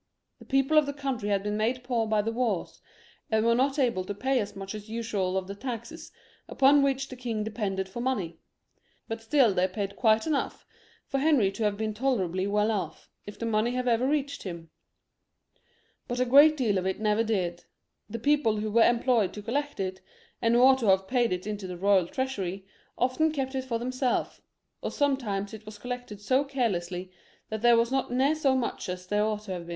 The people of the country had been made poor by the wars, and were not able to pay so many as usual of the taxes upon which the king depended for money, but still they paid quite enough for Henry to have been tolerably well off, if the money had ever reached him. But a great deal of it never did. The people who were employed to collect it, and who ought to have paid it to the royal treasury, often kept it for themselves, or sometimes it was collected so carelessly that there was not near so much as there ought to be.